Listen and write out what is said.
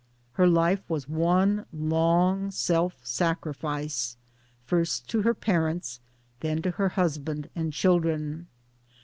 Her life was one long self sacrifice first to her parents, then to her husband and children.